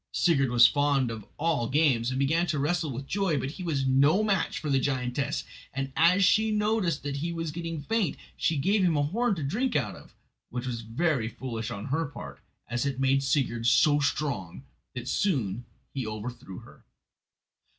Sigurd was fond of all games, and began to wrestle with joy; but he was no match for the giantess, and as she noticed that he was getting faint she gave him a horn to drink out of, which was very foolish on her part, as it made Sigurd so strong that he soon overthrew her.